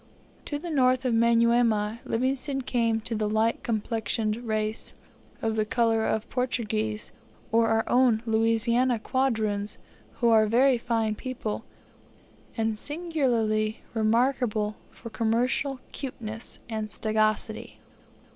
To the north of Manyuema, Livingstone came to the light complexioned race, of the colour of Portuguese, or our own Louisiana quadroons, who are very fine people, and singularly remarkable for commercial "'cuteness" and sagacity.